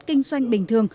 kinh doanh bình thường